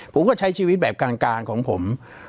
ผมก็ใช้ชีวิตแบบกลางของผม